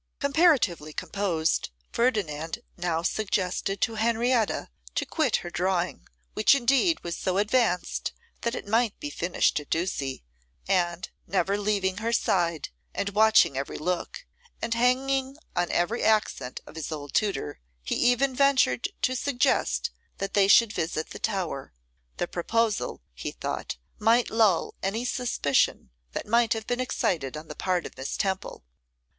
Comparatively composed, Ferdinand now suggested to Henrietta to quit her drawing, which indeed was so advanced that it might be finished at Ducie; and, never leaving her side, and watching every look, and hanging on every accent of his old tutor, he even ventured to suggest that they should visit the tower. The proposal, he thought, might lull any suspicion that might have been excited on the part of Miss Temple.